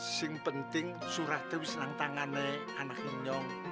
yang penting surat itu bisa ditangani anak buah saya